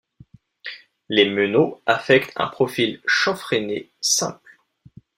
Les meneaux affectent un profil chanfreiné simple.